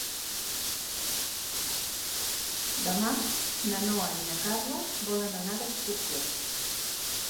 Demà na Noa i na Carla volen anar d'excursió.